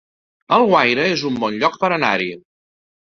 Alguaire es un bon lloc per anar-hi